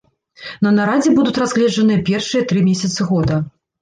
На нарадзе будуць разгледжаныя першыя тры месяцы года.